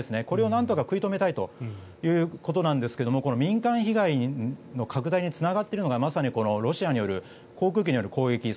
これをなんとか食い止めたいということなんですが民間被害の拡大につながっているのがまさにこのロシアによる航空機による攻撃